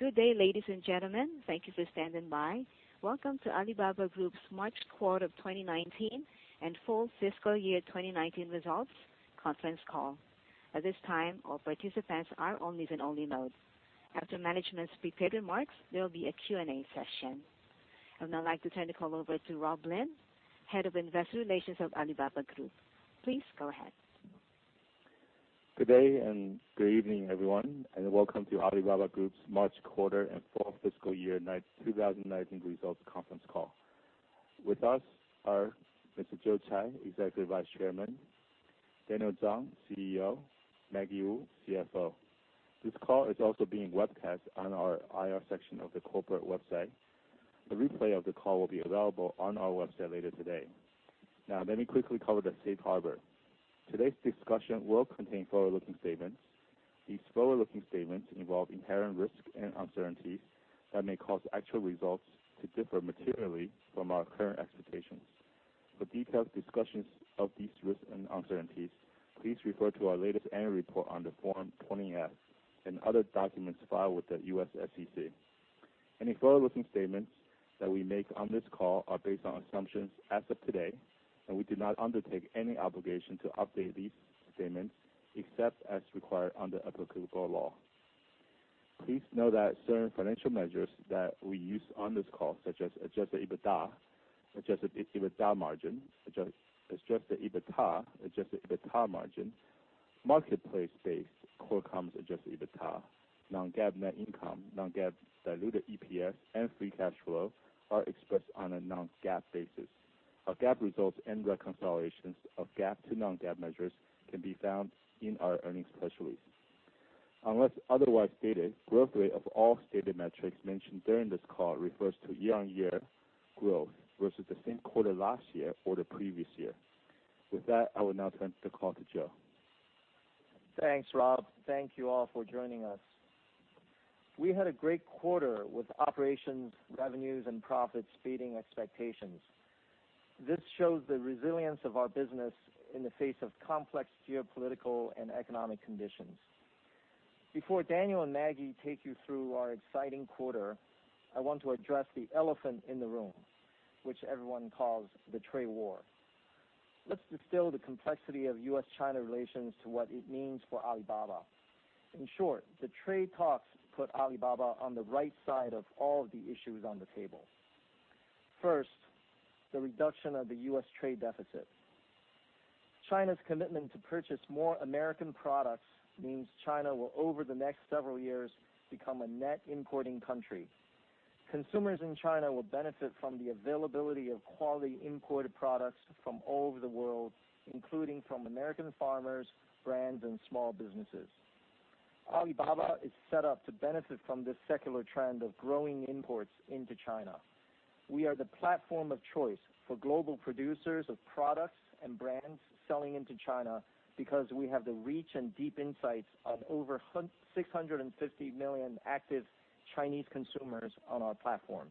Good day, ladies and gentlemen. Thank you for standing by. Welcome to Alibaba Group's March quarter of 2019 and full fiscal year 2019 results conference call. At this time, all participants are in listen only mode. After management's prepared remarks, there will be a Q&A session. I would now like to turn the call over to Rob Lin, Head of Investor Relations of Alibaba Group. Please go ahead. Good day and good evening, everyone, and welcome to Alibaba Group's March quarter and full fiscal year 2019 results conference call. With us are Mr. Joe Tsai, Executive Vice Chairman, Daniel Zhang, CEO, Maggie Wu, CFO. This call is also being webcast on our IR section of the corporate website. The replay of the call will be available on our website later today. Now, let me quickly cover the safe harbor. Today's discussion will contain forward-looking statements. These forward-looking statements involve inherent risks and uncertainties that may cause actual results to differ materially from our current expectations. For detailed discussions of these risks and uncertainties, please refer to our latest annual report on the Form 20-F and other documents filed with the U.S. SEC. Any forward-looking statements that we make on this call are based on assumptions as of today. We do not undertake any obligation to update these statements except as required under applicable law. Please note that certain financial measures that we use on this call, such as adjusted EBITDA, adjusted EBITDA margin, marketplace-based core commerce adjusted EBITDA, non-GAAP net income, non-GAAP diluted EPS, and free cash flow, are expressed on a non-GAAP basis. Our GAAP results and reconciliations of GAAP to non-GAAP measures can be found in our earnings press release. Unless otherwise stated, growth rate of all stated metrics mentioned during this call refers to year-on-year growth versus the same quarter last year or the previous year. With that, I will now turn the call to Joe. Thanks, Rob. Thank you all for joining us. We had a great quarter with operations, revenues, and profits beating expectations. This shows the resilience of our business in the face of complex geopolitical and economic conditions. Before Daniel and Maggie take you through our exciting quarter, I want to address the elephant in the room, which everyone calls the trade war. Let's distill the complexity of U.S.-China relations to what it means for Alibaba. In short, the trade talks put Alibaba on the right side of all of the issues on the table. First, the reduction of the U.S. trade deficit. China's commitment to purchase more American products means China will, over the next several years, become a net importing country. Consumers in China will benefit from the availability of quality imported products from all over the world, including from American farmers, brands, and small businesses. Alibaba is set up to benefit from this secular trend of growing imports into China. We are the platform of choice for global producers of products and brands selling into China because we have the reach and deep insights of over 650 million active Chinese consumers on our platform.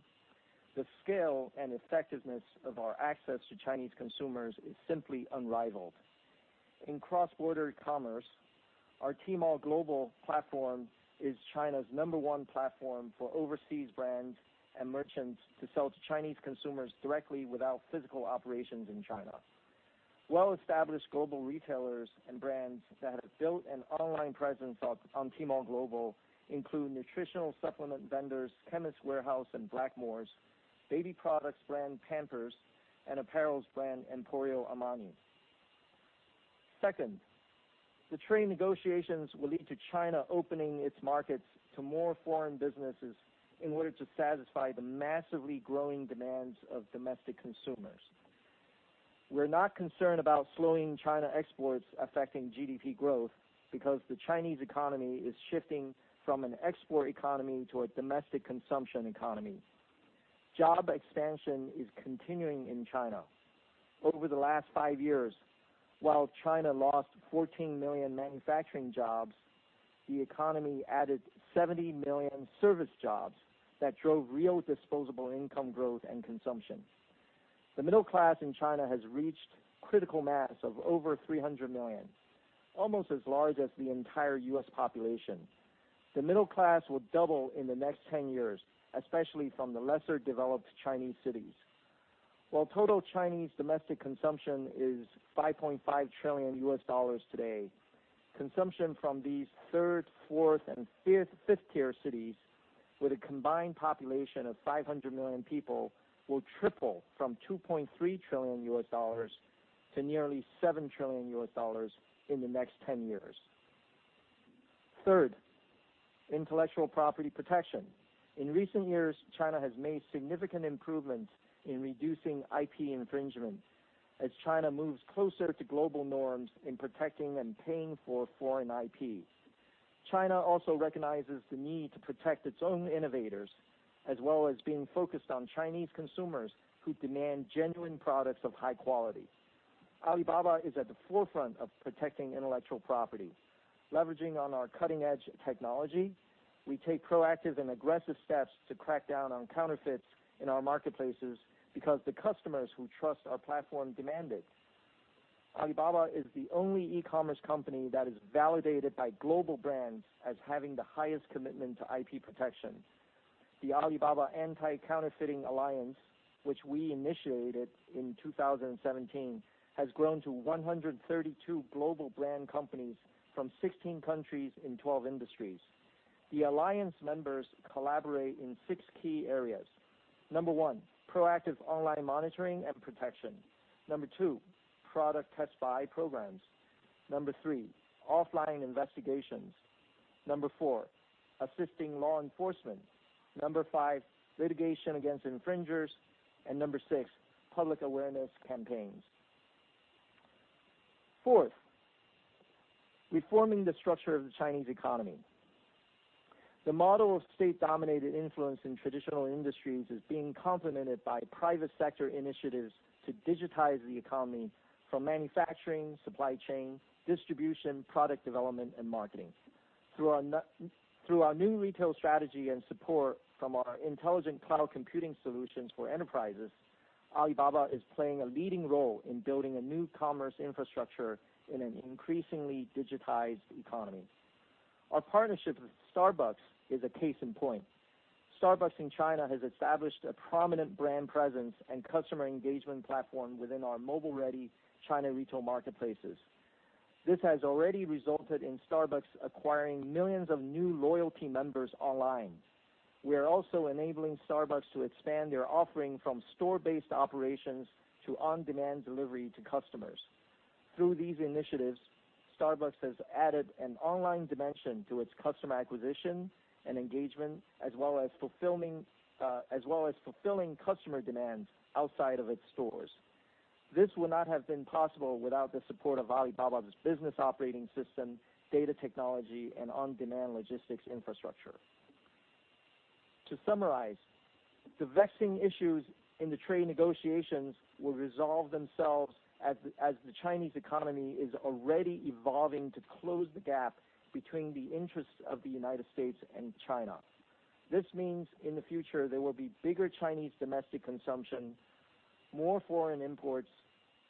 The scale and effectiveness of our access to Chinese consumers is simply unrivaled. In cross-border commerce, our Tmall Global platform is China's number one platform for overseas brands and merchants to sell to Chinese consumers directly without physical operations in China. Well-established global retailers and brands that have built an online presence on Tmall Global include nutritional supplement vendors, Chemist Warehouse and Blackmores, baby products brand Pampers, and apparels brand Emporio Armani. Second, the trade negotiations will lead to China opening its markets to more foreign businesses in order to satisfy the massively growing demands of domestic consumers. We're not concerned about slowing China exports affecting GDP growth because the Chinese economy is shifting from an export economy to a domestic consumption economy. Job expansion is continuing in China. Over the last five years, while China lost 14 million manufacturing jobs, the economy added 70 million service jobs that drove real disposable income growth and consumption. The middle class in China has reached critical mass of over 300 million, almost as large as the entire U.S. population. The middle class will double in the next 10 years, especially from the lesser developed Chinese cities. While total Chinese domestic consumption is $5.5 trillion today, consumption from these third, fourth, and fifth-tier cities with a combined population of 500 million people will triple from $2.3 trillion to nearly $7 trillion in the next 10 years. Third, intellectual property protection. In recent years, China has made significant improvements in reducing IP infringement as China moves closer to global norms in protecting and paying for foreign IP. China also recognizes the need to protect its own innovators, as well as being focused on Chinese consumers who demand genuine products of high quality. Alibaba is at the forefront of protecting intellectual property. Leveraging on our cutting-edge technology, we take proactive and aggressive steps to crack down on counterfeits in our marketplaces because the customers who trust our platform demand it. Alibaba is the only e-commerce company that is validated by global brands as having the highest commitment to IP protection. The Alibaba Anti-Counterfeiting Alliance, which we initiated in 2017, has grown to 132 global brand companies from 16 countries in 12 industries. The alliance members collaborate in six key areas. Number 1, proactive online monitoring and protection. Number 2, product test buy programs. Number 3, offline investigations. Number 4, assisting law enforcement. Number 5, litigation against infringers. Number 6, public awareness campaigns. Fourth, reforming the structure of the Chinese economy. The model of state-dominated influence in traditional industries is being complemented by private sector initiatives to digitize the economy from manufacturing, supply chain, distribution, product development, and marketing. Through our new retail strategy and support from our intelligent cloud computing solutions for enterprises, Alibaba is playing a leading role in building a new commerce infrastructure in an increasingly digitized economy. Our partnership with Starbucks is a case in point. Starbucks in China has established a prominent brand presence and customer engagement platform within our mobile-ready China retail marketplaces. This has already resulted in Starbucks acquiring millions of new loyalty members online. We are also enabling Starbucks to expand their offering from store-based operations to on-demand delivery to customers. Through these initiatives, Starbucks has added an online dimension to its customer acquisition and engagement, as well as fulfilling customer demands outside of its stores. This would not have been possible without the support of Alibaba Business Operating System, data technology, and on-demand logistics infrastructure. To summarize, the vexing issues in the trade negotiations will resolve themselves as the Chinese economy is already evolving to close the gap between the interests of the U.S. and China. This means, in the future, there will be bigger Chinese domestic consumption, more foreign imports,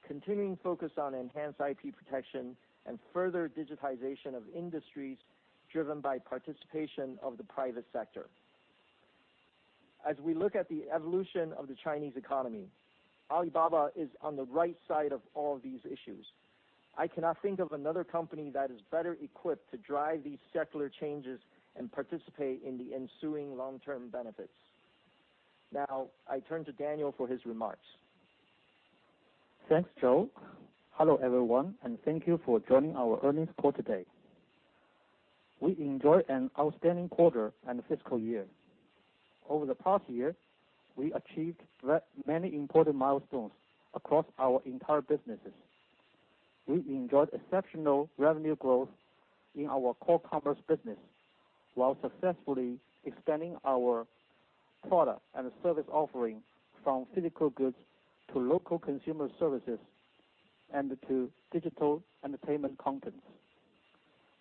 continuing focus on enhanced IP protection, and further digitization of industries driven by participation of the private sector. As we look at the evolution of the Chinese economy, Alibaba is on the right side of all these issues. I cannot think of another company that is better equipped to drive these secular changes and participate in the ensuing long-term benefits. I turn to Daniel for his remarks. Thanks, Joe. Hello, everyone, thank you for joining our earnings call today. We enjoyed an outstanding quarter and fiscal year. Over the past year, we achieved many important milestones across our entire businesses. We enjoyed exceptional revenue growth in our core commerce business while successfully expanding our product and service offering from physical goods to Local Consumer Services and to digital entertainment contents.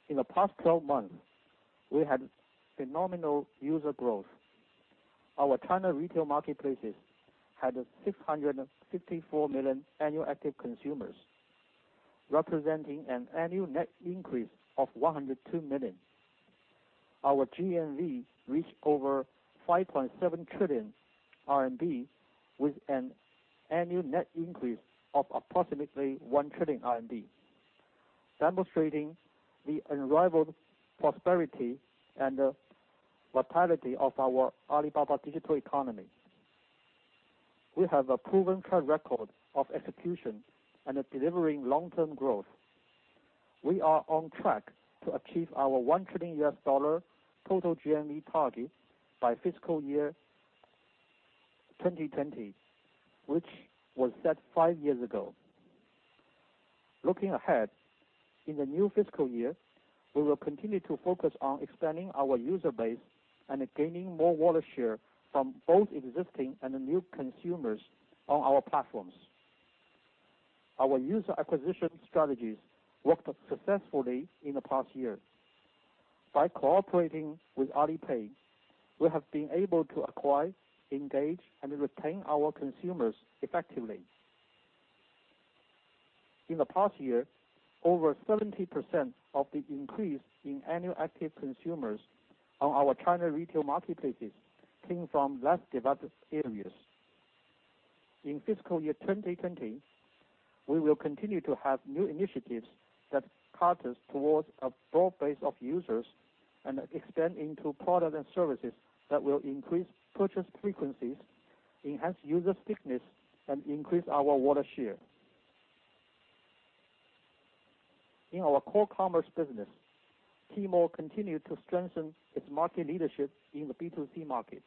In the past 12 months, we had phenomenal user growth. Our China retail marketplaces had 654 million annual active consumers, representing an annual net increase of 102 million. Our GMV reached over 5.7 trillion RMB with an annual net increase of approximately 1 trillion RMB, demonstrating the unrivaled prosperity and vitality of our Alibaba digital economy. We have a proven track record of execution and delivering long-term growth. We are on track to achieve our CNY 1 trillion total GMV target by fiscal year 2020, which was set five years ago. Looking ahead, in the new fiscal year, we will continue to focus on expanding our user base and gaining more wallet share from both existing and new consumers on our platforms. Our user acquisition strategies worked successfully in the past year. By cooperating with Alipay, we have been able to acquire, engage, and retain our consumers effectively. In the past year, over 70% of the increase in annual active consumers on our China retail marketplaces came from less developed areas. In fiscal year 2020, we will continue to have new initiatives that caters towards a broad base of users and extend into products and services that will increase purchase frequencies, enhance user stickiness, and increase our wallet share. In our core commerce business, Tmall continued to strengthen its market leadership in the B2C market.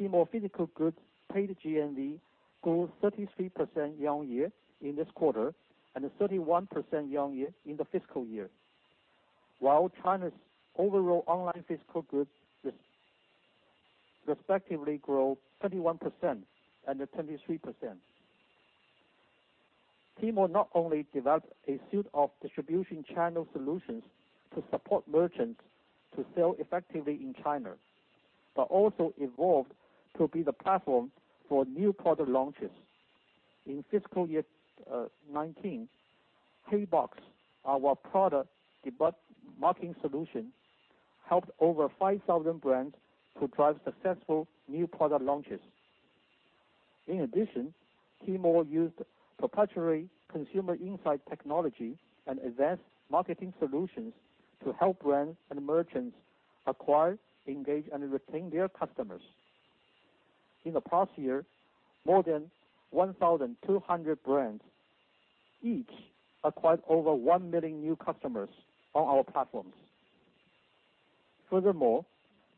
Tmall physical goods paid GMV grew 33% year-on-year in this quarter, and 31% year-on-year in the fiscal year. China's overall online physical goods respectively grew 21% and 23%. Tmall not only developed a suite of distribution channel solutions to support merchants to sell effectively in China. It also evolved to be the platform for new product launches. In fiscal year 2019, Tmall Heybox, our product debut marketing solution, helped over 5,000 brands to drive successful new product launches. In addition, Tmall used proprietary consumer insight technology and advanced marketing solutions to help brands and merchants acquire, engage, and retain their customers. In the past year, more than 1,200 brands each acquired over 1 million new customers on our platforms.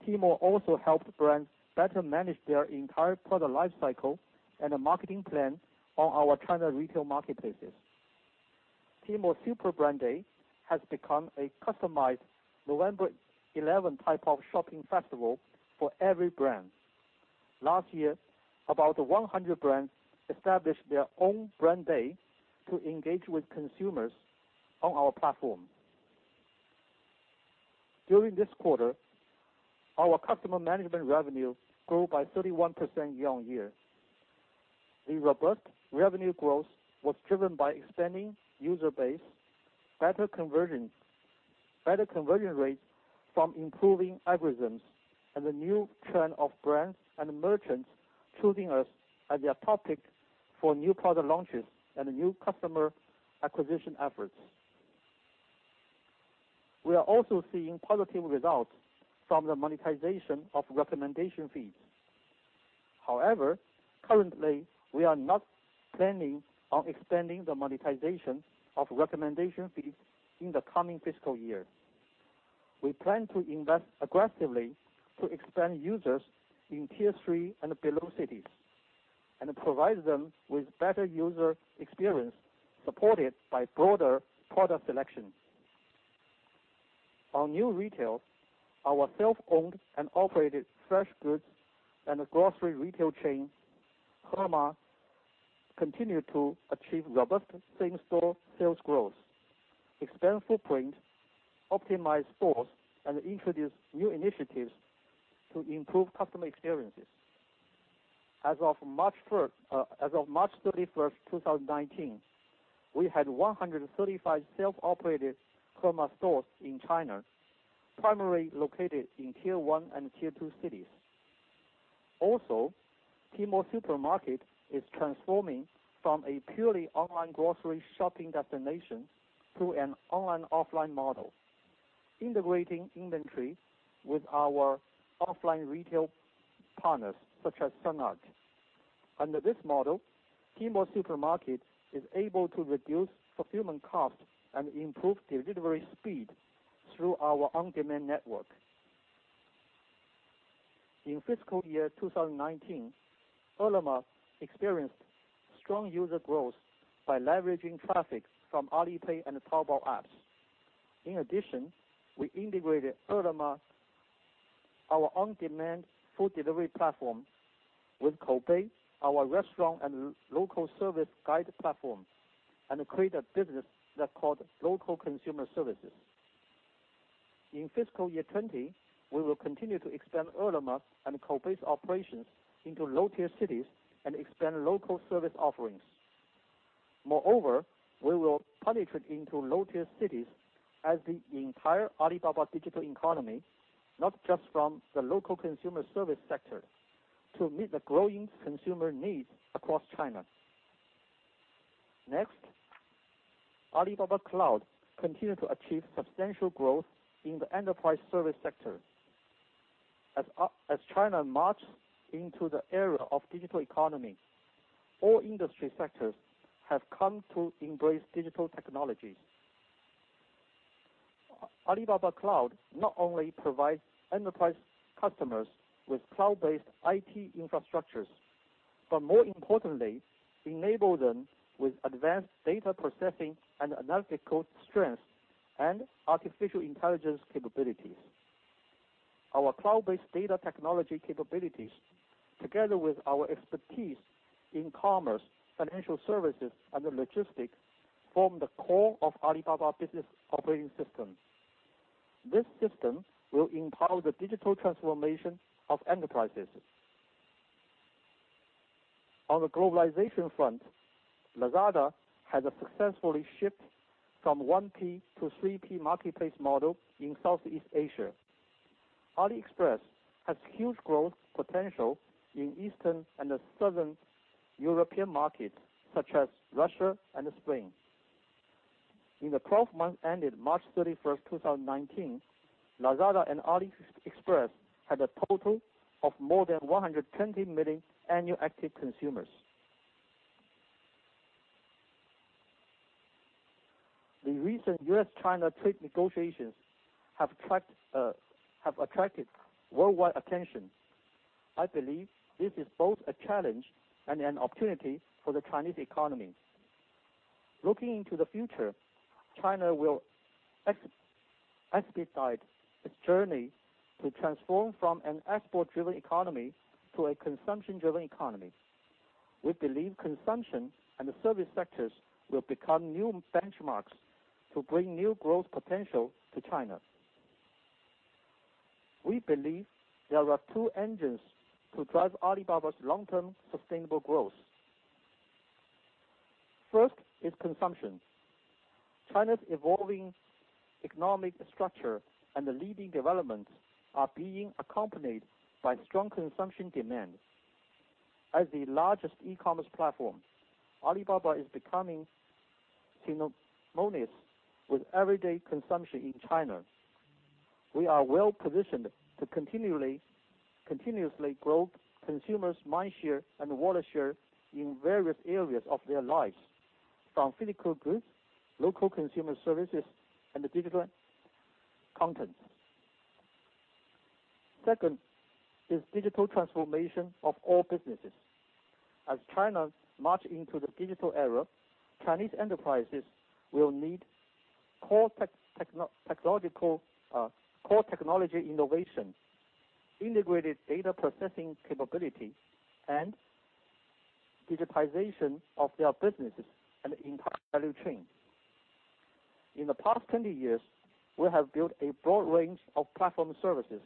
Tmall also helped brands better manage their entire product life cycle and the marketing plan on our China retail marketplaces. Tmall Super Brand Day has become a customized November 11 type of shopping festival for every brand. Last year, about 100 brands established their own brand day to engage with consumers on our platform. During this quarter, our customer management revenue grew by 31% year-on-year. The robust revenue growth was driven by expanding user base, better conversion rates from improving algorithms, and the new trend of brands and merchants choosing us as their topic for new product launches and new customer acquisition efforts. We are also seeing positive results from the monetization of recommendation feeds. Currently, we are not planning on expanding the monetization of recommendation feeds in the coming fiscal year. We plan to invest aggressively to expand users in tier 3 and below cities and provide them with better user experience supported by broader product selection. On new retail, our self-owned and operated fresh goods and grocery retail chain, Freshippo, continue to achieve robust same-store sales growth, expand footprint, optimize stores, and introduce new initiatives to improve customer experiences. As of March 31st, 2019, we had 135 self-operated Freshippo stores in China, primarily located in tier 1 and tier 2 cities. Tmall Supermarket is transforming from a purely online grocery shopping destination to an online/offline model, integrating inventory with our offline retail partners, such as Sun Art. Under this model, Tmall Supermarket is able to reduce fulfillment costs and improve delivery speed through our on-demand network. In fiscal year 2019, Ele.me experienced strong user growth by leveraging traffic from Alipay and Taobao apps. We integrated Ele.me, our on-demand food delivery platform, with Koubei, our restaurant and local service guide platform, and create a business that's called Local Consumer Services. In fiscal year 2020, we will continue to expand Ele.me and Koubei's operations into low-tier cities and expand local service offerings. We will penetrate into low-tier cities as the entire Alibaba digital economy, not just from the local consumer service sector to meet the growing consumer needs across China. Alibaba Cloud continued to achieve substantial growth in the enterprise service sector. As China marches into the era of digital economy, all industry sectors have come to embrace digital technology. Alibaba Cloud not only provides enterprise customers with cloud-based IT infrastructures, but more importantly, enable them with advanced data processing and analytical strength and artificial intelligence capabilities. Our cloud-based data technology capabilities, together with our expertise in commerce, financial services, and logistics, form the core of Alibaba Business Operating System. This system will empower the digital transformation of enterprises. On the globalization front, Lazada has successfully shifted from 1P to 3P marketplace model in Southeast Asia. AliExpress has huge growth potential in Eastern and Southern European markets, such as Russia and Spain. In the 12 months ended March 31st, 2019, Lazada and AliExpress had a total of more than 120 million annual active consumers. The recent U.S.-China trade negotiations have attracted worldwide attention. I believe this is both a challenge and an opportunity for the Chinese economy. Looking into the future, China will expedite its journey to transform from an export-driven economy to a consumption-driven economy. We believe consumption and the service sectors will become new benchmarks to bring new growth potential to China. We believe there are two engines to drive Alibaba's long-term sustainable growth. First is consumption. China's evolving economic structure and the leading development are being accompanied by strong consumption demands. As the largest e-commerce platform, Alibaba is becoming synonymous with everyday consumption in China. We are well-positioned to continuously grow consumers' mind share and wallet share in various areas of their lives, from physical goods, Local Consumer Services, and digital content. Second is digital transformation of all businesses. As China march into the digital era, Chinese enterprises will need core technology innovation, integrated data processing capability, and digitization of their businesses and entire value chain. In the past 20 years, we have built a broad range of platform services,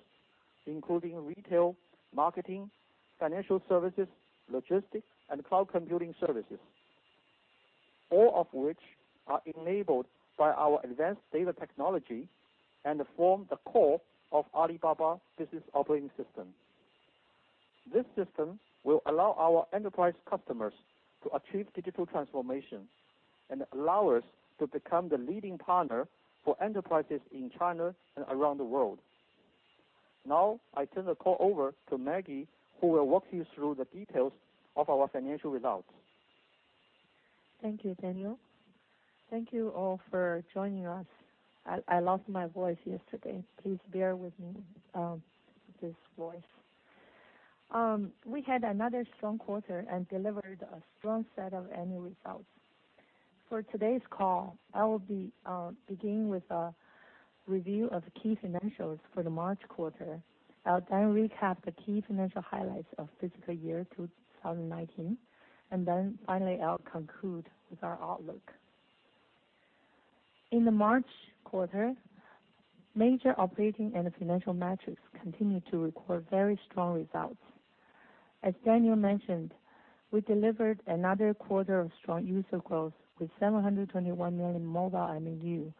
including retail, marketing, financial services, logistics, and cloud computing services. All of which are enabled by our advanced data technology and form the core of Alibaba Business Operating System. This system will allow our enterprise customers to achieve digital transformation and allow us to become the leading partner for enterprises in China and around the world. Now, I turn the call over to Maggie who will walk you through the details of our financial results. Thank you, Daniel. Thank you all for joining us. I lost my voice yesterday. Please bear with me, this voice. We had another strong quarter and delivered a strong set of annual results. For today's call, I will begin with a review of key financials for the March quarter. I'll then recap the key financial highlights of FY 2019. Finally, I'll conclude with our outlook. In the March quarter, major operating and financial metrics continued to record very strong results. As Daniel mentioned, we delivered another quarter of strong user growth with 721 million mobile MAU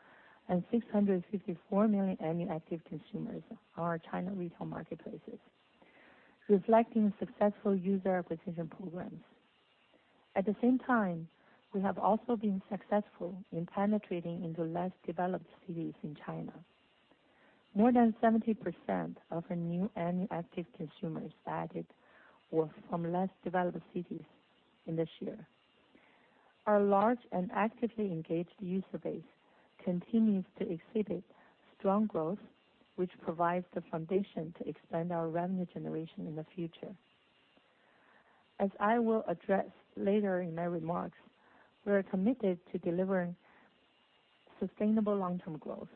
and 654 million annual active consumers on our China retail marketplaces, reflecting successful user acquisition programs. At the same time, we have also been successful in penetrating into less developed cities in China. More than 70% of our new annual active consumers added were from less developed cities in this year. Our large and actively engaged user base continues to exhibit strong growth, which provides the foundation to expand our revenue generation in the future. As I will address later in my remarks, we're committed to delivering sustainable long-term growth.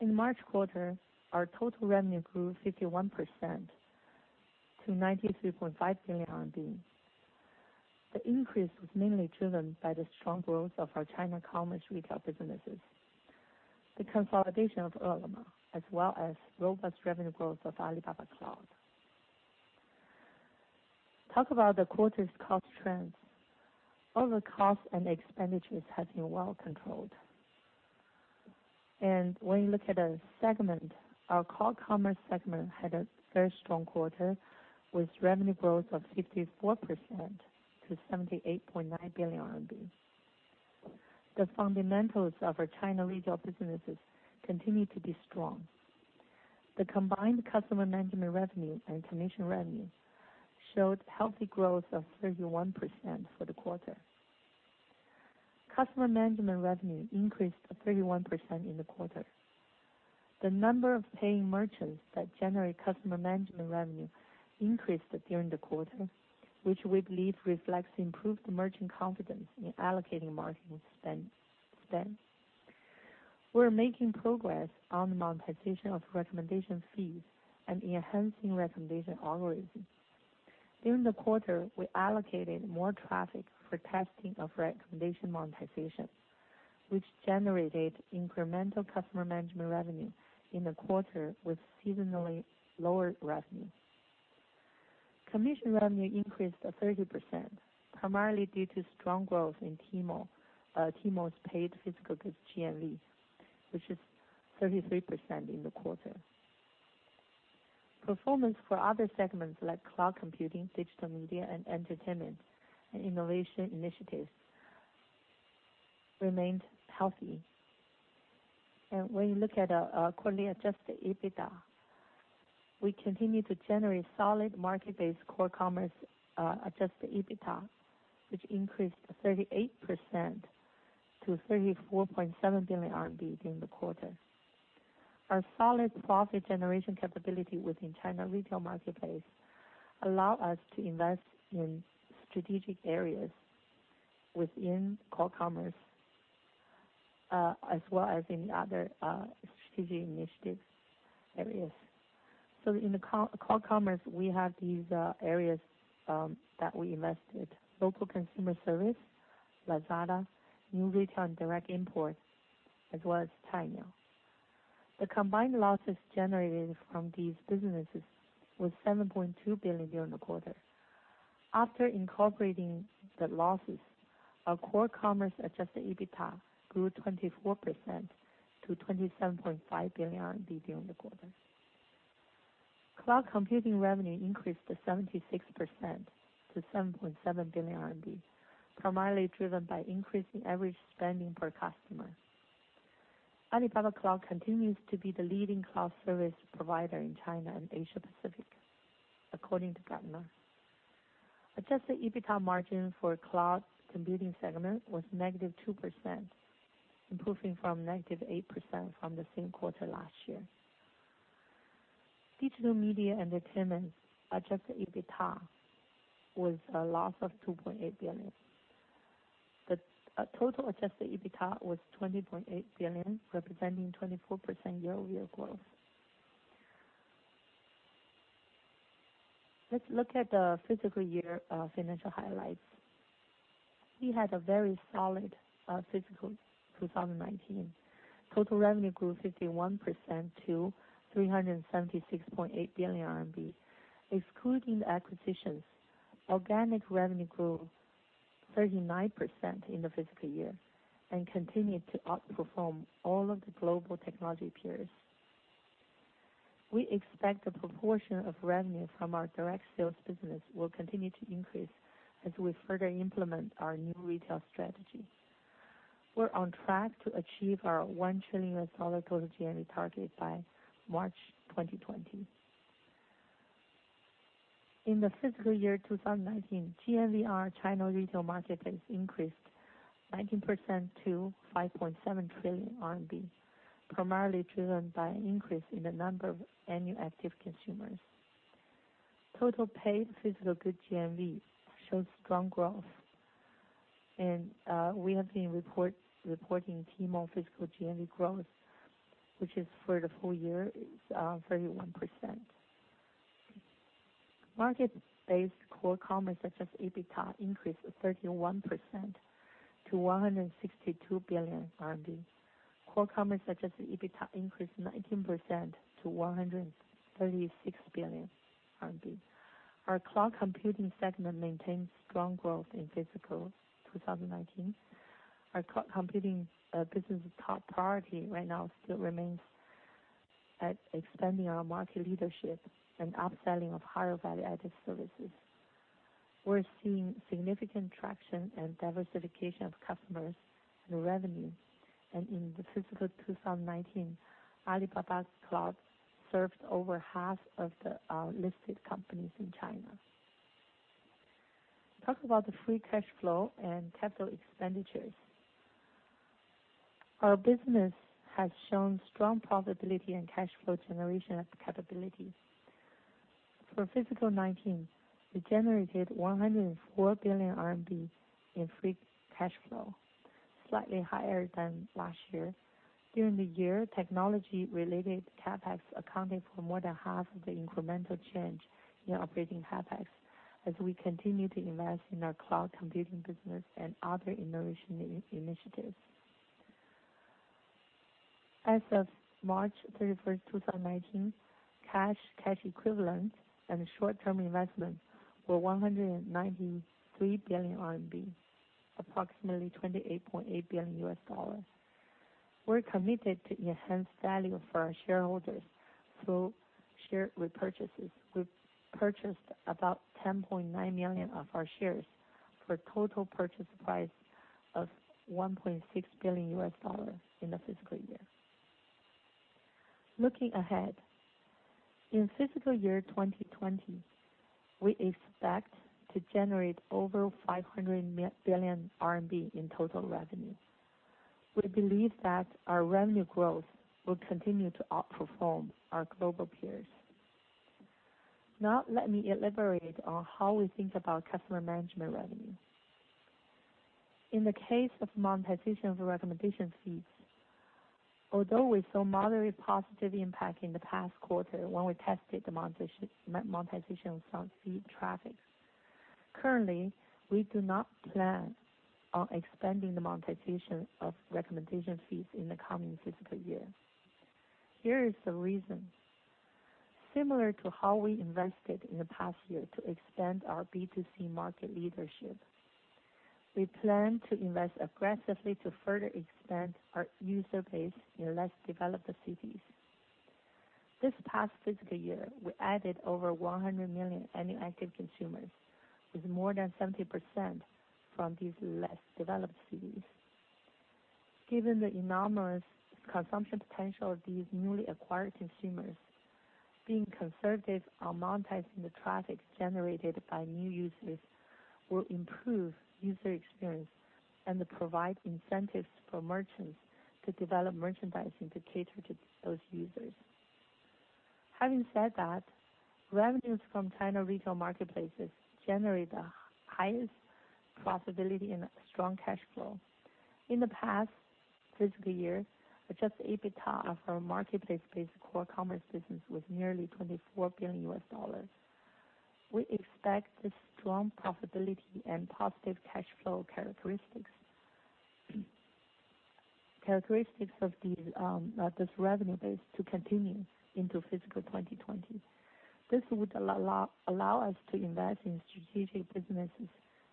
In the March quarter, our total revenue grew 51% to 93.5 billion RMB. The increase was mainly driven by the strong growth of our China commerce retail businesses, the consolidation of Ele.me, as well as robust revenue growth of Alibaba Cloud. Talk about the quarter's cost trends. All the costs and expenditures have been well controlled. When you look at a segment, our Core Commerce segment had a very strong quarter with revenue growth of 54% to CNY 78.9 billion. The fundamentals of our China retail businesses continue to be strong. The combined customer management revenue and commission revenue showed healthy growth of 31% for the quarter. Customer management revenue increased 31% in the quarter. The number of paying merchants that generate customer management revenue increased during the quarter, which we believe reflects improved merchant confidence in allocating marketing spend. We're making progress on the monetization of recommendation feeds and enhancing recommendation algorithms. During the quarter, we allocated more traffic for testing of recommendation monetization, which generated incremental customer management revenue in the quarter with seasonally lower revenue. Commission revenue increased 30%, primarily due to strong growth in Tmall's paid physical goods GMV, which is 33% in the quarter. Performance for other segments like cloud computing, digital media and entertainment, and innovation initiatives remained healthy. When you look at our quarterly adjusted EBITDA, we continue to generate solid market-based Core Commerce adjusted EBITDA, which increased 38% to 34.7 billion RMB during the quarter. Our solid profit generation capability within China retail marketplace allow us to invest in strategic areas within Core Commerce as well as in other strategic initiative areas. In the Core Commerce, we have these areas that we invested. Local Consumer Services, Lazada, new retail and direct import, as well as Cainiao. The combined losses generated from these businesses was 7.2 billion during the quarter. After incorporating the losses, our Core Commerce adjusted EBITDA grew 24% to 27.5 billion RMB during the quarter. Cloud computing revenue increased 76% to 7.7 billion RMB, primarily driven by increasing average spending per customer. Alibaba Cloud continues to be the leading cloud service provider in China and Asia Pacific, according to Gartner. Adjusted EBITDA margin for cloud computing segment was -2%, improving from -8% from the same quarter last year. Digital Media and Entertainment adjusted EBITDA was a loss of 2.8 billion. The total adjusted EBITDA was 20.8 billion, representing 24% year-over-year growth. Let's look at the fiscal year financial highlights. We had a very solid fiscal 2019. Total revenue grew 51% to CNY 376.8 billion. Excluding acquisitions, organic revenue grew 39% in the fiscal year and continued to outperform all of the global technology peers. We expect the proportion of revenue from our direct sales business will continue to increase as we further implement our new retail strategy. We're on track to achieve our $1 trillion total GMV target by March 2020. In the fiscal year 2019, GMV for China retail marketplace increased 19% to 5.7 trillion RMB, primarily driven by an increase in the number of annual active consumers. Total paid physical goods GMV showed strong growth. We have been reporting Tmall physical GMV growth, which is for the full year is 31%. Market-based core commerce adjusted EBITDA increased 31% to 162 billion RMB. Core commerce adjusted EBITDA increased 19% to 136 billion RMB. Our cloud computing segment maintained strong growth in fiscal 2019. Our cloud computing business top priority right now still remains at expanding our market leadership and upselling of higher value-added services. We are seeing significant traction and diversification of customers and revenue. In fiscal 2019, Alibaba Cloud served over half of the listed companies in China. Talk about the free cash flow and capital expenditures. Our business has shown strong profitability and cash flow generation capabilities. For fiscal 2019, we generated 104 billion RMB in free cash flow, slightly higher than last year. During the year, technology related CapEx accounted for more than half of the incremental change in operating CapEx as we continue to invest in our cloud computing business and other innovation initiatives. As of March 31st, 2019, cash equivalents, and short-term investments were 193 billion RMB, approximately $28.8 billion. We are committed to enhance value for our shareholders through share repurchases. We purchased about 10.9 million of our shares for total purchase price of $1.6 billion in the fiscal year. Looking ahead, in fiscal year 2020, we expect to generate over 500 billion RMB in total revenue. We believe that our revenue growth will continue to outperform our global peers. Let me elaborate on how we think about customer management revenue. In the case of monetization for recommendation feeds, although we saw moderate positive impact in the past quarter when we tested the monetization of some feed traffic, currently, we do not plan on expanding the monetization of recommendation feeds in the coming fiscal year. Here is the reason. Similar to how we invested in the past year to expand our B2C market leadership, we plan to invest aggressively to further expand our user base in less developed cities. This past fiscal year, we added over 100 million annual active consumers with more than 70% from these less developed cities. Given the enormous consumption potential of these newly acquired consumers, being conservative on monetizing the traffic generated by new users will improve user experience and provide incentives for merchants to develop merchandising to cater to those users. Having said that, revenues from China retail marketplaces generate the highest profitability and strong cash flow. In the past fiscal year, adjusted EBITDA of our marketplace-based core commerce business was nearly $24 billion. We expect this strong profitability and positive cash flow characteristics of this revenue base to continue into fiscal 2020. This would allow us to invest in strategic businesses,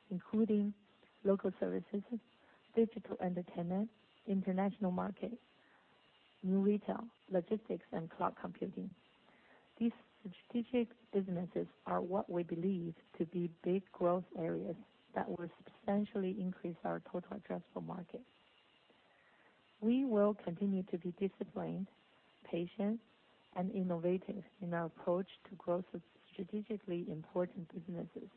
including local services, digital entertainment, international markets, new retail, logistics, and cloud computing. These strategic businesses are what we believe to be big growth areas that will substantially increase our total addressable market. We will continue to be disciplined, patient, and innovative in our approach to growth of strategically important businesses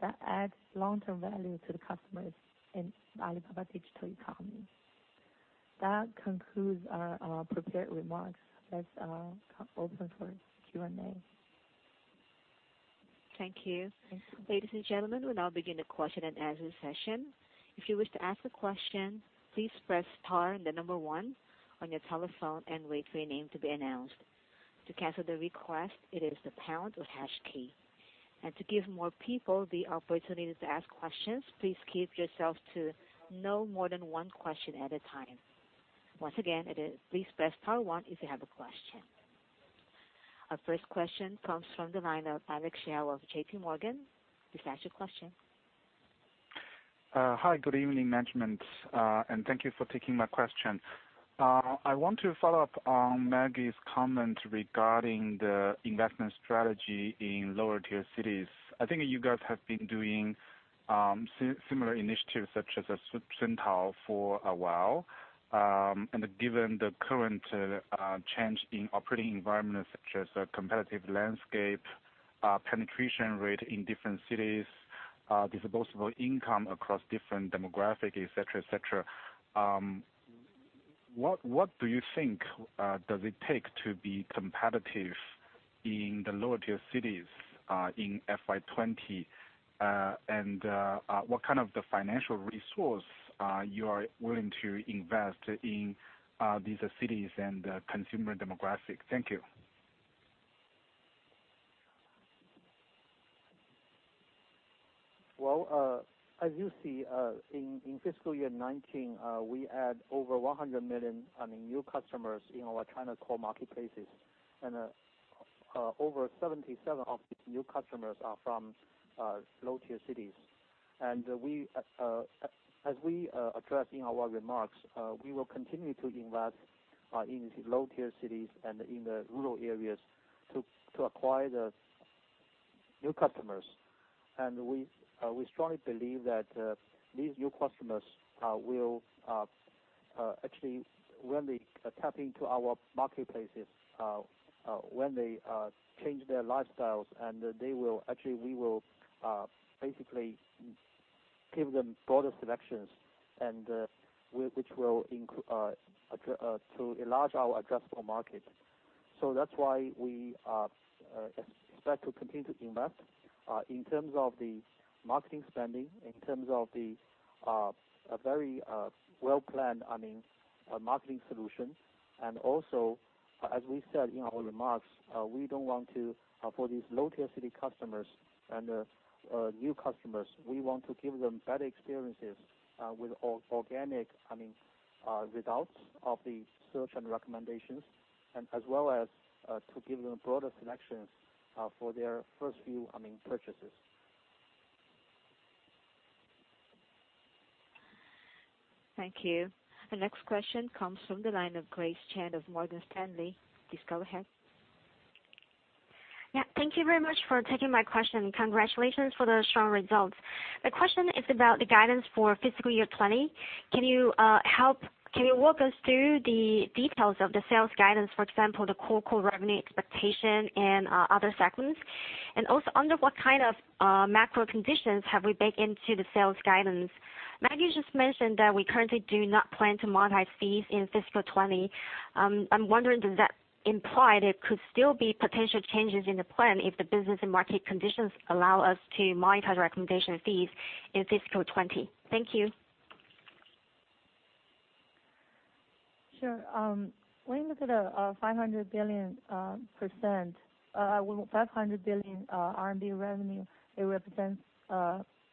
that add long-term value to the customers in Alibaba digital economy. That concludes our prepared remarks. Let us open for Q&A. Thank you. Thank you. Ladies and gentlemen, we'll now begin the question and answer session. If you wish to ask a question, please press star then the number 1 on your telephone and wait for your name to be announced. To cancel the request, it is the pound or hash key. To give more people the opportunity to ask questions, please keep yourself to no more than one question at a time. Once again, please press star 1 if you have a question. Our first question comes from the line of Alex Yao of J.P. Morgan. Please ask your question. Hi, good evening, management. Thank you for taking my question. I want to follow up on Maggie's comment regarding the investment strategy in lower-tier cities. I think you guys have been doing similar initiatives such as a Sing Tao for a while. Given the current change in operating environment such as competitive landscape, penetration rate in different cities, disposable income across different demographic, et cetera. What do you think does it take to be competitive in the lower-tier cities, in FY 2020? What kind of the financial resource you are willing to invest in these cities and consumer demographic? Thank you Well, as you see, in fiscal year 2019, we add over 100 million new customers in our China core marketplaces. Over 77 of these new customers are from low-tier cities. As we addressed in our remarks, we will continue to invest in low-tier cities and in the rural areas to acquire the new customers. We strongly believe that these new customers will actually, when they tap into our marketplaces, when they change their lifestyles actually we will basically give them broader selections, which will enlarge our addressable market. That's why we expect to continue to invest, in terms of the marketing spending, in terms of the very well-planned marketing solutions. Also, as we said in our remarks, for these low-tier city customers and new customers, we want to give them better experiences with organic results of the search and recommendations, as well as to give them broader selections for their first few purchases. Thank you. The next question comes from the line of Grace Chen of Morgan Stanley. Please go ahead. Yeah. Thank you very much for taking my question. Congratulations for the strong results. My question is about the guidance for fiscal year 2020. Can you walk us through the details of the sales guidance, for example, the core revenue expectation and other segments? Also, under what kind of macro conditions have we baked into the sales guidance? Maggie just mentioned that we currently do not plan to monetize fees in fiscal 2020. I'm wondering, does that imply there could still be potential changes in the plan if the business and market conditions allow us to monetize recommendation fees in fiscal 2020? Thank you. Sure. When you look at the 500 billion revenue, it represents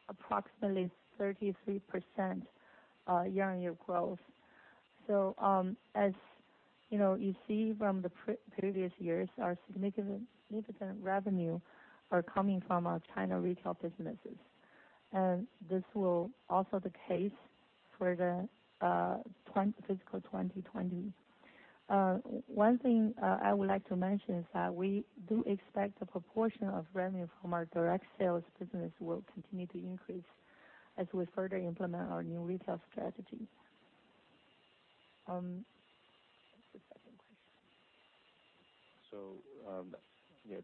approximately 33% year-over-year growth. As you see from the previous years, our significant revenue are coming from our China retail businesses. This will also the case for the fiscal 2020. One thing I would like to mention is that we do expect the proportion of revenue from our direct sales business will continue to increase as we further implement our new retail strategy.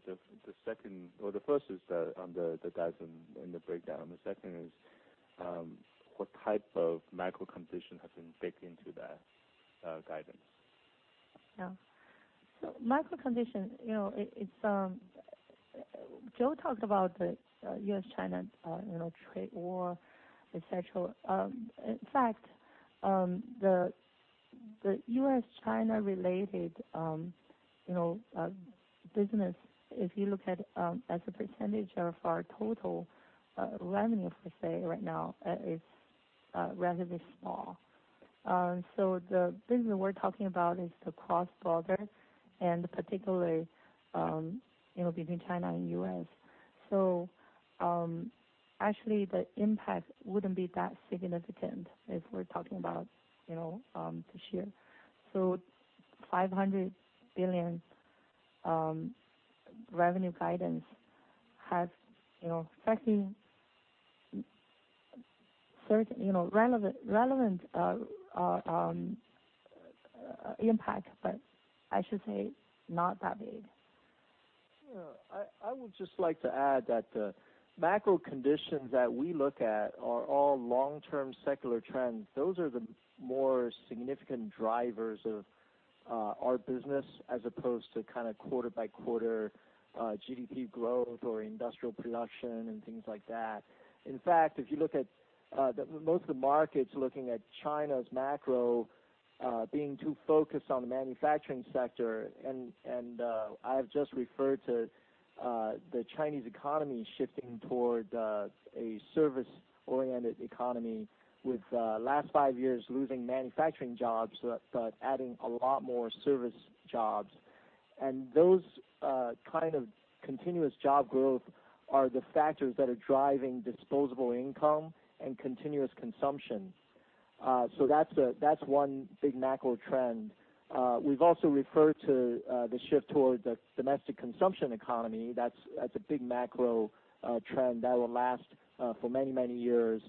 What's the second question? The first is on the guidance and the breakdown. The second is, what type of macro condition has been baked into that guidance? Macro condition, Joe talked about the U.S.-China trade war, et cetera. In fact, the U.S.-China related business, if you look at as a percentage of our total revenue, per se, right now, it's relatively small. The business we're talking about is the cross-border, and particularly, between China and U.S. Actually the impact wouldn't be that significant if we're talking about this year. CNY 500 billion revenue guidance has certainly relevant impact, but I should say not that big. I would just like to add that the macro conditions that we look at are all long-term secular trends. Those are the more significant drivers of our business as opposed to quarter-over-quarter GDP growth or industrial production and things like that. In fact, if you look at most of the markets, looking at China's macro being too focused on the manufacturing sector, and I've just referred to the Chinese economy shifting toward a service-oriented economy with the last five years losing manufacturing jobs but adding a lot more service jobs. Those kind of continuous job growth are the factors that are driving disposable income and continuous consumption. That's one big macro trend. We've also referred to the shift toward the domestic consumption economy. That's a big macro trend that will last for many, many years,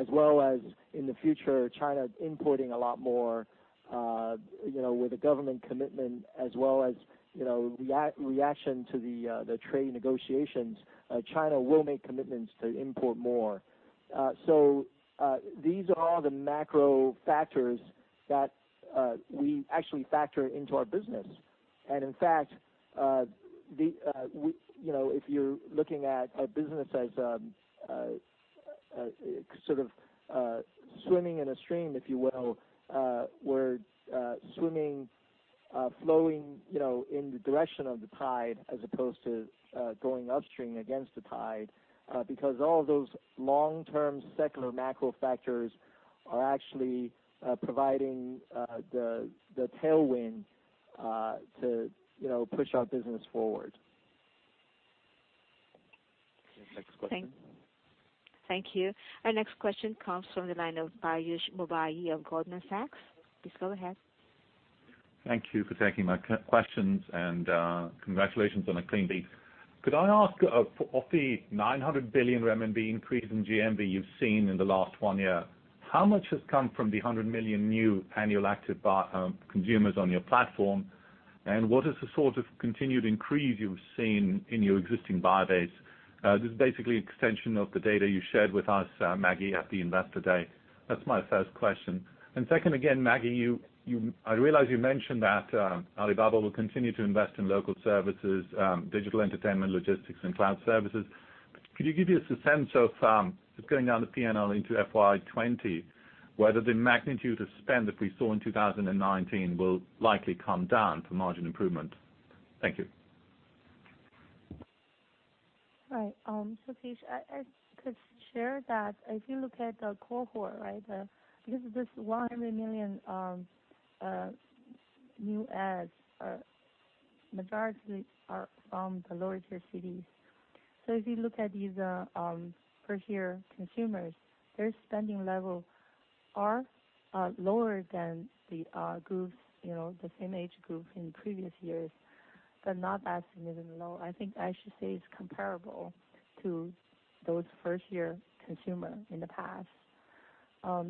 as well as in the future, China importing a lot more with a government commitment as well as reaction to the trade negotiations. China will make commitments to import more. These are all the macro factors that we actually factor into our business. In fact, if you're looking at a business as sort of swimming in a stream, if you will, we're swimming, flowing in the direction of the tide as opposed to going upstream against the tide because all those long-term secular macro factors are actually providing the tailwind to push our business forward. Next question. Thank you. Our next question comes from the line of Piyush Mubayi of Goldman Sachs. Please go ahead. Thank you for taking my questions, congratulations on a clean beat. Could I ask of the 900 billion RMB increase in GMV you've seen in the last one year, how much has come from the 100 million new annual active consumers on your platform? What is the sort of continued increase you've seen in your existing buyer base? This is basically extension of the data you shared with us, Maggie, at the investor day. That's my first question. Second again, Maggie, I realize you mentioned that Alibaba will continue to invest in local services, digital entertainment, logistics, and cloud services. Could you give us a sense of going down the P&L into FY 2020, whether the magnitude of spend that we saw in 2019 will likely come down for margin improvement? Thank you. Right. Piyush, I could share that if you look at the cohort, this 100 million new adds majority are from the lower tier cities. If you look at these first-year consumers, their spending level are lower than the same age group in previous years, but not that significant low. I think I should say it's comparable to those first-year consumer in the past.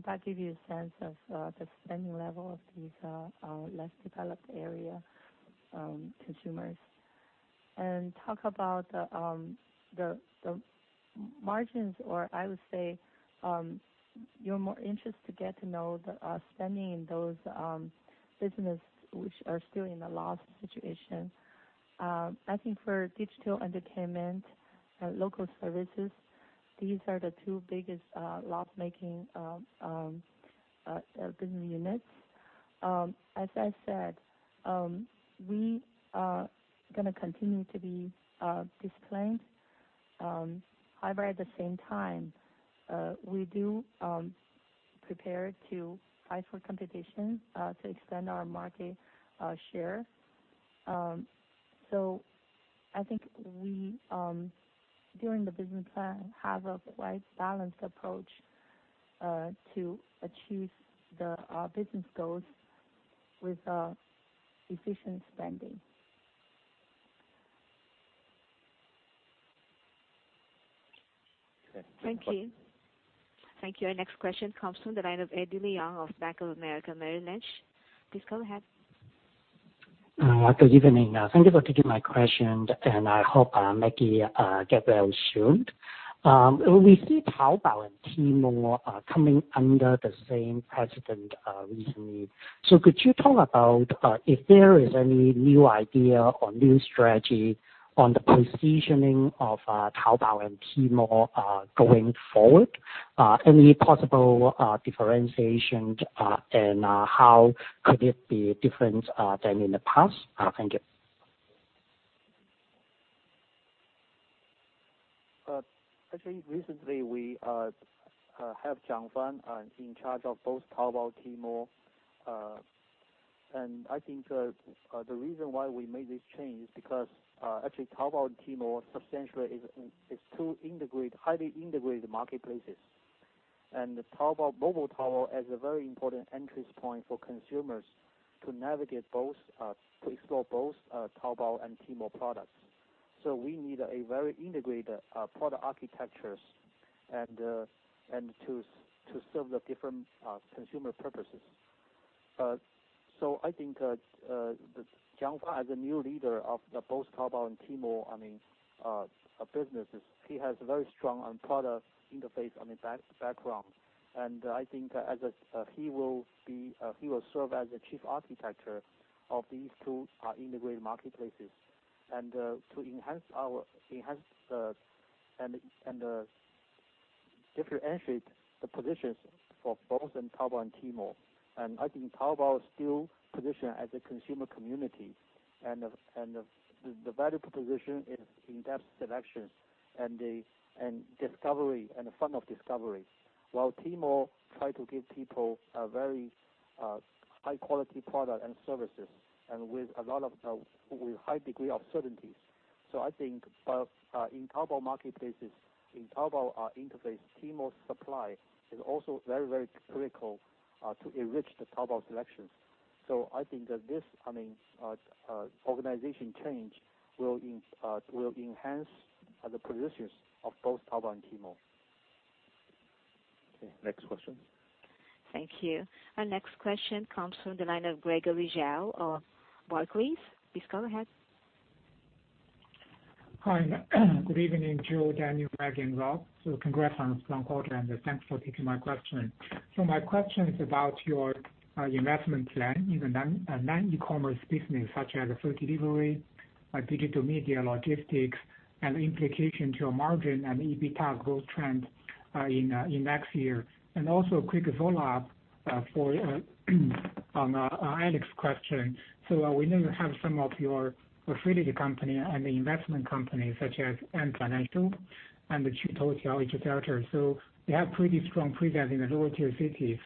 That give you a sense of the spending level of these less developed area consumers. Talk about the margins, or I would say you're more interested to get to know the spending in those business which are still in a loss situation. I think for digital entertainment, Local Consumer Services, these are the two biggest loss-making business units. As I said, we are going to continue to be disciplined. At the same time, we do prepare to fight for competition to extend our market share. I think we, during the business plan, have a quite balanced approach to achieve the business goals with efficient spending. Thank you. Our next question comes from the line of Eddie Leung of Bank of America Merrill Lynch. Please go ahead. Good evening. Thank you for taking my question, and I hope Maggie gets well soon. We see Taobao and Tmall coming under the same president recently. Could you talk about if there is any new idea or new strategy on the positioning of Taobao and Tmall going forward? Any possible differentiation and how could it be different than in the past? Thank you. Actually, recently, we have Jiang Fan in charge of both Taobao and Tmall. I think the reason why we made this change is because actually Taobao and Tmall substantially is two highly integrated marketplaces. Mobile Taobao has a very important entrance point for consumers to navigate both, to explore both Taobao and Tmall products. We need a very integrated product architectures and to serve the different consumer purposes. I think that Jiang Fan as a new leader of both Taobao and Tmall businesses, he has very strong product interface on his background. I think he will serve as the chief architecture of these two integrated marketplaces and to enhance and differentiate the positions for both in Taobao and Tmall. I think Taobao is still positioned as a consumer community, and the value proposition is in-depth selection and discovery and the fun of discovery. While Tmall try to give people a very high-quality product and services and with a high degree of certainty. I think in Taobao marketplaces, in Taobao interface, Tmall supply is also very critical to enrich the Taobao selections. I think that this organization change will enhance the positions of both Taobao and Tmall. Okay, next question. Thank you. Our next question comes from the line of Gregory Zhao of Barclays. Please go ahead. Hi. Good evening, Joe, Daniel, Maggie, and Rob. Congrats on a strong quarter and thanks for taking my question. My question is about your investment plan in the non-e-commerce business, such as food delivery, digital media, logistics, and implication to your margin and EBITDA growth trend in next year. Also a quick follow-up on Alex's question. We know you have some of your affiliated company and investment companies such as Ant Financial and the, etc. You have pretty strong presence in the lower-tier cities.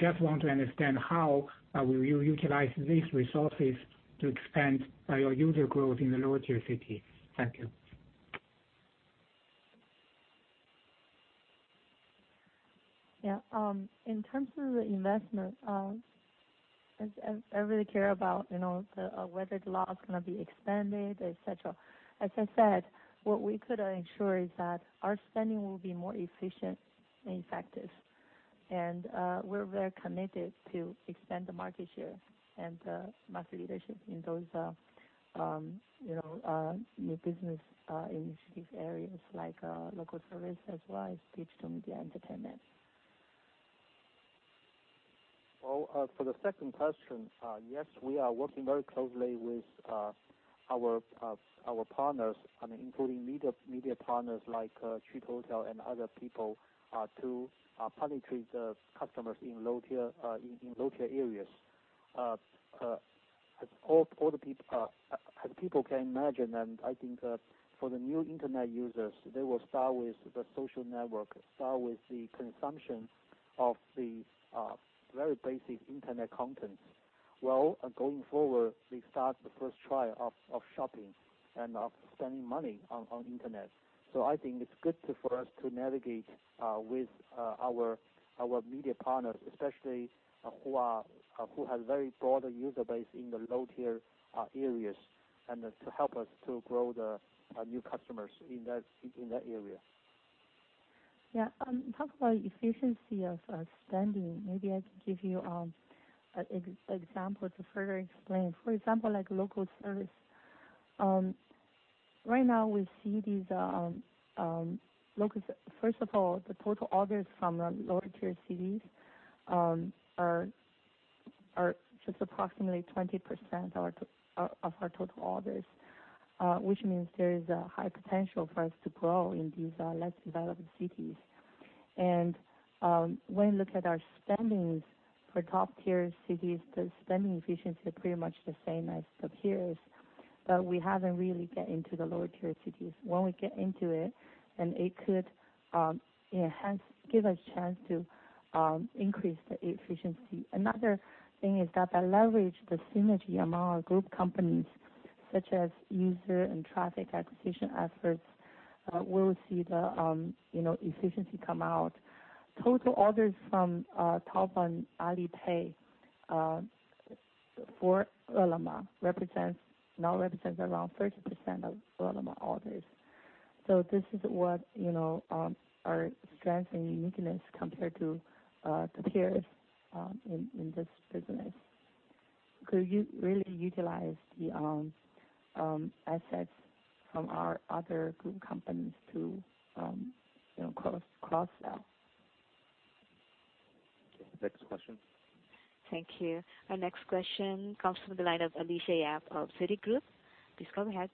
Just want to understand how will you utilize these resources to expand your user growth in the lower-tier cities. Thank you. In terms of the investment, everybody care about whether the law is gonna be expanded, etcetera. As I said, what we could ensure is that our spending will be more efficient and effective. We're very committed to expand the market share and the market leadership in those new business initiative areas like local service as well as digital media entertainment. Well, for the second question, yes, we are working very closely with our partners, including media partners like Trihotel and other people, to penetrate customers in low-tier areas. As people can imagine, and I think for the new internet users, they will start with the social network, start with the consumption of the very basic internet content. Well, going forward, they start the first trial of shopping and of spending money on internet. I think it's good for us to navigate with our media partners, especially who have very broader user base in the low-tier areas and to help us to grow the new customers in that area. Talk about efficiency of spending. Maybe I can give you an example to further explain. For example, like local service. Right now, we see these First of all, the total orders from lower-tier cities are just approximately 20% of our total orders, which means there is a high potential for us to grow in these less developed cities. When you look at our spendings for top-tier cities, the spending efficiency is pretty much the same as the peers, but we haven't really get into the lower-tier cities. When we get into it could give us chance to increase the efficiency. Another thing is that by leverage the synergy among our group companies, such as user and traffic acquisition efforts, we'll see the efficiency come out. Total orders from Taobao and Alipay for Ele.me now represents around 30% of Ele.me orders. This is what our strength and uniqueness compared to peers in this business. You really utilize the assets from our other group companies to cross-sell. Next question. Thank you. Our next question comes from the line of Alicia Yap of Citigroup. Please go ahead.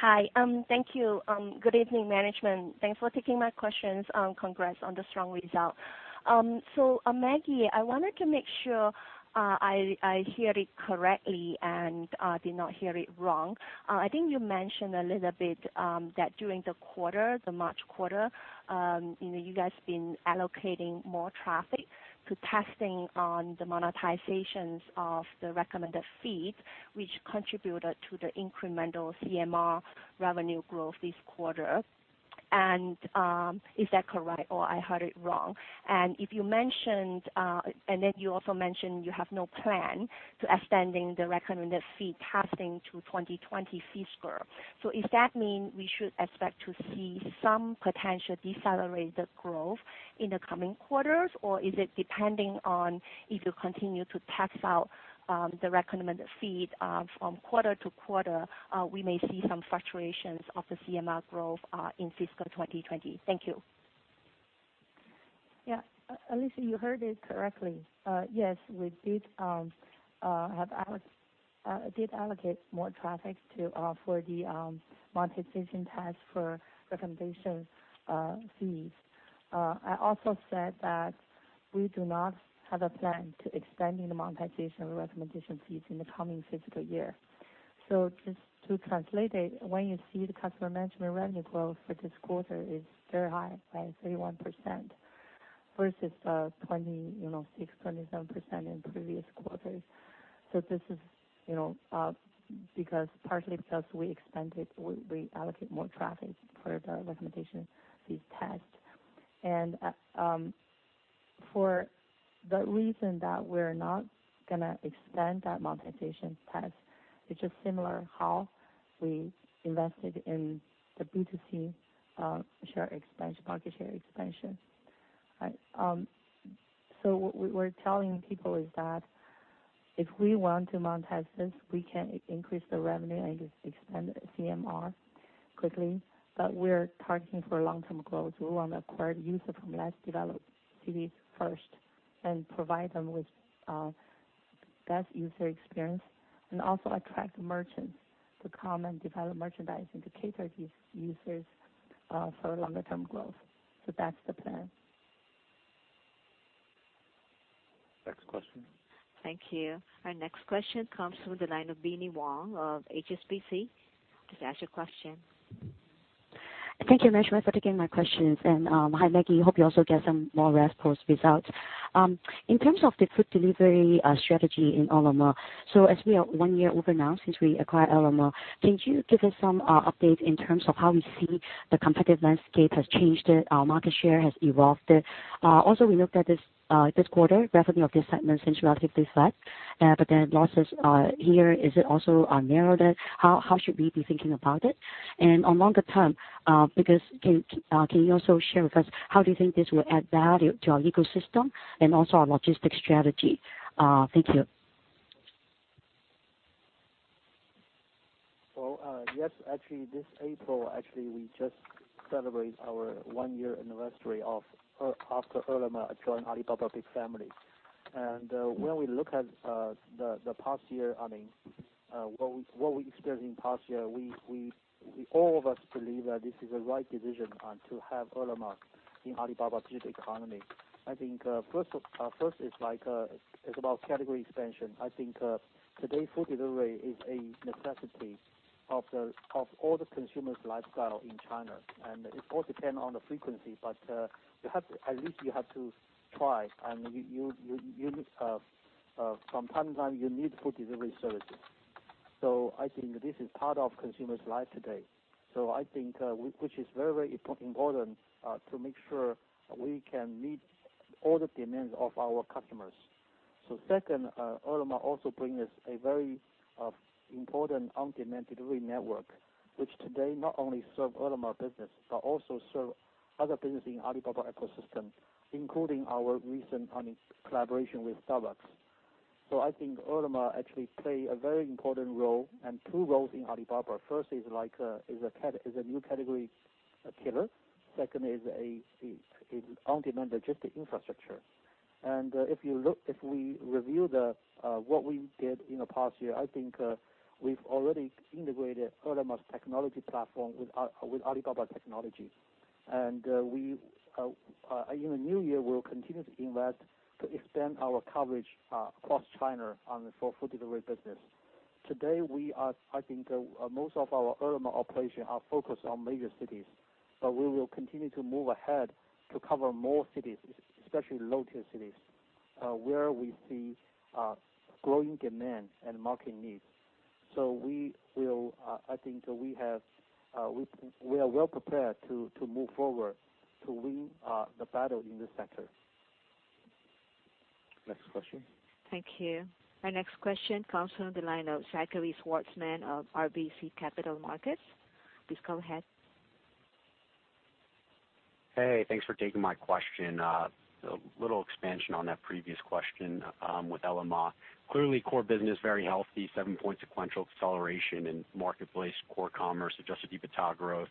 Hi. Thank you. Good evening, management. Thanks for taking my questions. Congrats on the strong result. Maggie, I wanted to make sure I hear it correctly and did not hear it wrong. I think you mentioned a little bit that during the March quarter, you guys been allocating more traffic to testing on the monetizations of the recommended fees, which contributed to the incremental CMR revenue growth this quarter. Is that correct, or I heard it wrong? Then you also mentioned you have no plan to extending the recommended fee testing to 2020 fiscal. Is that mean we should expect to see some potential decelerated growth in the coming quarters, or is it depending on if you continue to test out the recommended fee from quarter to quarter, we may see some fluctuations of the CMR growth in fiscal 2020? Thank you. Yeah. Alicia, you heard it correctly. Yes, we did allocate more traffic for the monetization test for recommendation fees. I also said that we do not have a plan to extending the monetization recommendation fees in the coming fiscal year. Just to translate it, when you see the customer management revenue growth for this quarter is very high, right? 31% versus 26%, 27% in previous quarters. This is because partly because we allocate more traffic for the recommendation fees test. For the reason that we're not going to extend that monetization test, which is similar how we invested in the B2C market share expansion. Right? What we're telling people is that if we want to monetize this, we can increase the revenue and expand CMR quickly, but we're targeting for long-term growth. We want to acquire users from less developed cities first and provide them with best user experience and also attract merchants to come and develop merchandising to cater these users for longer term growth. That's the plan. Next question. Thank you. Our next question comes from the line of Binnie Wong of HSBC. Please ask your question. Thank you management for taking my questions. Hi Maggie, hope you also get some more rest post results. In terms of the food delivery strategy in Ele.me, as we are one year over now since we acquired Ele.me, can you give us some update in terms of how you see the competitive landscape has changed it, our market share has evolved it? We looked at this quarter, revenue of this segment seems relatively flat, then losses are here. Is it also narrowed it? How should we be thinking about it? On longer term, can you also share with us how do you think this will add value to our ecosystem and also our logistics strategy? Thank you. Yes, actually this April, actually, we just celebrate our one-year anniversary after Ele.me joined Alibaba big family. When we look at the past year, what we experienced in past year, all of us believe that this is a right decision to have Ele.me in Alibaba digital economy. I think first is about category expansion. I think today food delivery is a necessity of all the consumers' lifestyle in China, it all depend on the frequency, at least you have to try and from time to time, you need food delivery services. I think this is part of consumers' life today. I think which is very important to make sure we can meet all the demands of our customers. Second, Ele.me also bring us a very important on-demand delivery network, which today not only serve Ele.me business, but also serve other business in Alibaba ecosystem, including our recent collaboration with Starbucks. I think Ele.me actually play a very important role and two roles in Alibaba. First is like is a new category killer. Second is on-demand logistic infrastructure. If we review what we did in the past year, I think we've already integrated Ele.me's technology platform with Alibaba technology. In the new year, we'll continue to invest to extend our coverage across China for food delivery business. Today, I think most of our Ele.me operation are focused on major cities, but we will continue to move ahead to cover more cities, especially low-tier cities, where we see growing demand and market needs. I think we are well prepared to move forward to win the battle in this sector. Next question. Thank you. Our next question comes from the line of Zachary Schwartzman of RBC Capital Markets. Please go ahead. Hey, thanks for taking my question. A little expansion on that previous question with Ele.me. Clearly core business very healthy, 7-point sequential acceleration in marketplace core commerce, adjusted EBITDA growth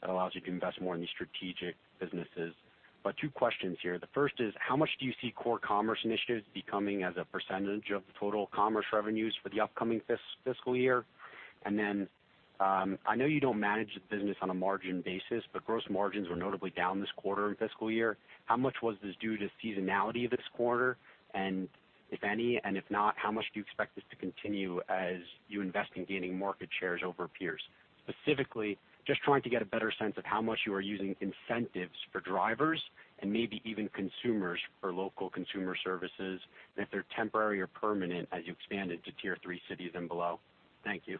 that allows you to invest more in these strategic businesses. Two questions here. The first is, how much do you see core commerce initiatives becoming as a percentage of the total commerce revenues for the upcoming fiscal year? Then, I know you don't manage the business on a margin basis, but gross margins were notably down this quarter and fiscal year. How much was this due to seasonality this quarter? And if any, and if not, how much do you expect this to continue as you invest in gaining market shares over peers? Specifically, just trying to get a better sense of how much you are using incentives for drivers and maybe even consumers for Local Consumer Services, and if they are temporary or permanent as you expand into tier 3 cities and below. Thank you.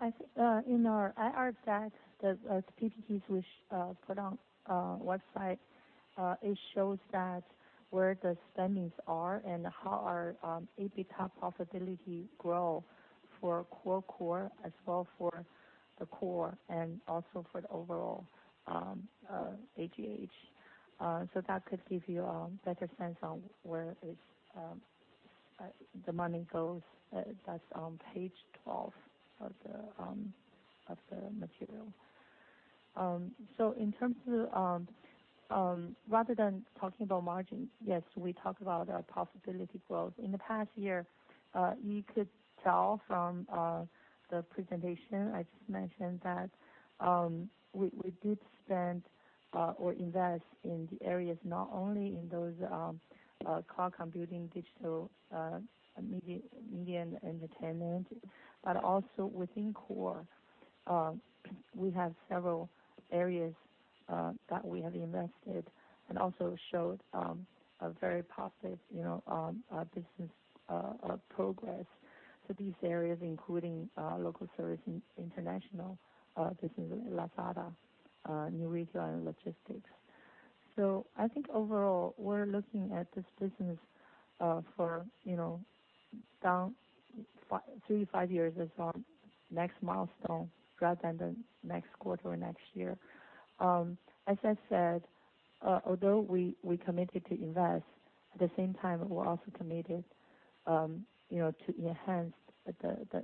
I think in our IR deck, the PPTs we put on website, it shows that where the spendings are and how our EBITDA profitability grow for core-core as well for the core and also for the overall AGH. That could give you a better sense on where the money goes. That is on page 12 of the material. Rather than talking about margins, yes, we talk about our profitability growth. In the past year, you could tell from the presentation I just mentioned that we did spend or invest in the areas not only in those cloud computing, digital media and entertainment, but also within core. We have several areas that we have invested and also showed a very positive business progress to these areas, including local service international business in Lazada, New Retail, and logistics. I think overall, we are looking at this business for three to five years as well, next milestone rather than the next quarter or next year. As I said, although we committed to invest, at the same time, we are also committed to enhance the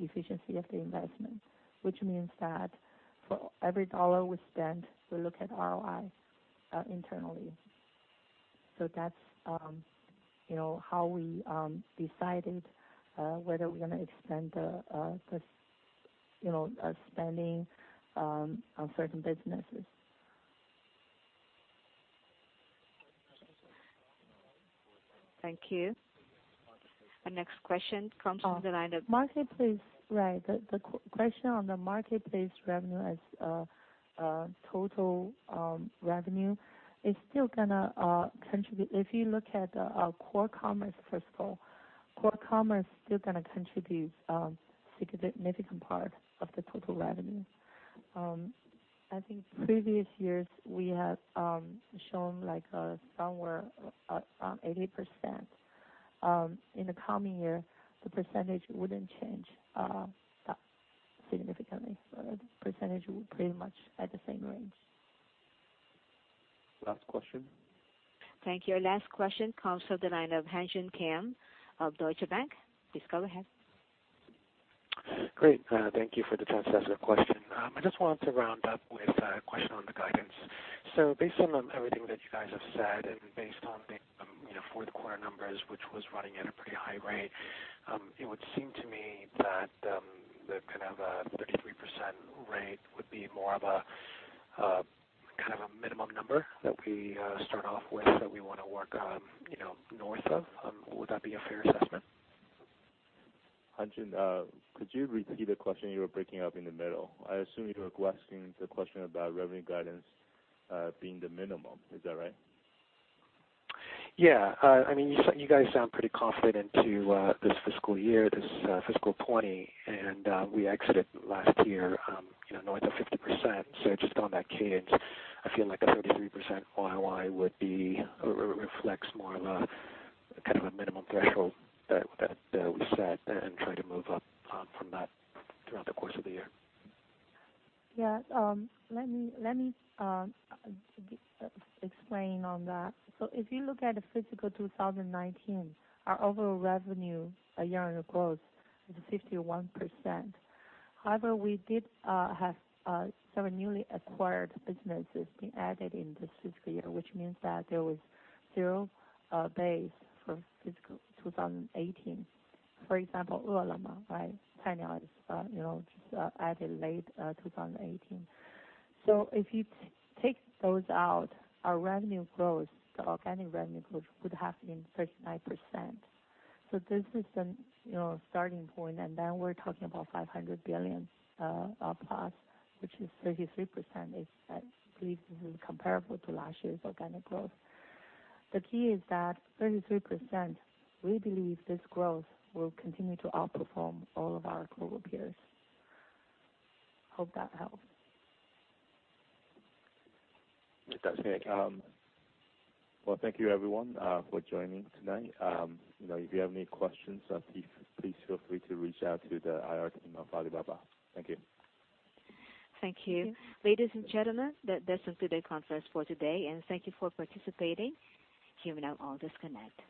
efficiency of the investment, which means that for every dollar we spend, we look at ROI internally. That is how we decided whether we are going to expand the spending on certain businesses. Thank you. Our next question comes from the line of- Marketplace. Right. The question on the marketplace revenue as a total revenue is still going to contribute. If you look at our core commerce first of all, core commerce is still going to contribute significant part of the total revenue. I think previous years we have shown somewhere around 80%. In the coming year, the percentage wouldn't change that significantly. The percentage will pretty much at the same range. Last question. Thank you. Our last question comes from the line of Han Joon Kim of Deutsche Bank. Please go ahead. Great. Thank you for the time. I have a question. I just wanted to round up with a question on the guidance. Based on everything that you guys have said and based on the fourth quarter numbers, which was running at a pretty high rate, it would seem to me that the kind of a 33% rate would be more of a minimum number that we start off with, that we want to work north of. Would that be a fair assessment? Han Joon, could you repeat the question? You were breaking up in the middle. I assume you were asking the question about revenue guidance being the minimum. Is that right? You guys sound pretty confident to this fiscal year, this fiscal 2020, and we exited last year north of 50%. Just on that cadence, I feel like a 33% ROI reflects more of a minimum threshold that we set and try to move up from that throughout the course of the year. Let me explain on that. If you look at the fiscal 2019, our overall revenue year-on-year growth is 51%. However, we did have some newly acquired businesses being added in this fiscal year, which means that there was zero base for fiscal 2018. For example, Ele.me, right? Cainiao is just added late 2018. If you take those out, our revenue growth, the organic revenue growth would have been 39%. This is the starting point, and then we're talking about 500 billion plus, which is 33%, I believe this is comparable to last year's organic growth. The key is that 33%, we believe this growth will continue to outperform all of our global peers. Hope that helps. With that, Han Joon. Thank you everyone for joining tonight. If you have any questions, please feel free to reach out to the IR team of Alibaba. Thank you. Thank you. Ladies and gentlemen, that does conclude the conference for today, and thank you for participating. You may now all disconnect.